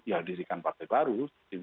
ya dirikan partai baru